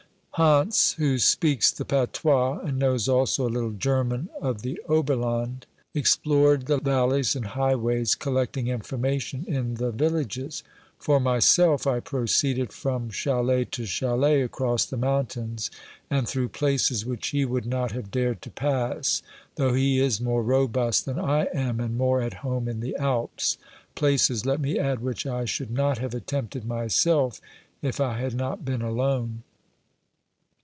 Hantz, who speaks the patois and knows also a little German of the Oberland, explored the valleys and high ways, collecting information in the villages. For myself, I proceeded from chalet to chalet across the mountains, and through places which he would not have dared to 250 OBERMANN pass, though he is more robust than I am and more at home in the Alps — places, let me add, which I should not have attempted myself if I had not been alone.